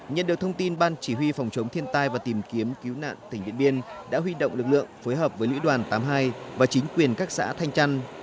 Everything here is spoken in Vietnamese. nhận được thông tin ban chỉ huy phòng chống thiên tai và tìm kiếm cứu nạn tỉnh điện biên đã huy động lực lượng phối hợp với lữ đoàn tám mươi hai và chính quyền các xã thanh trăn